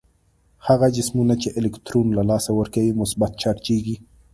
هغه جسمونه چې الکترون له لاسه ورکوي مثبت چارجیږي.